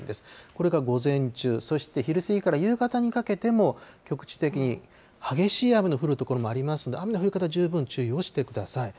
これが午前中、そして昼過ぎから夕方にかけても、局地的に激しい雨の降る所もありますので、雨の降り方、十分注意をしてください。